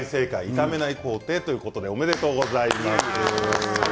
炒めない方でということでおめでとうございます。